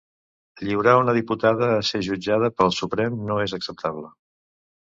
Lliurar una diputada a ser jutjada pel Suprem no és acceptable.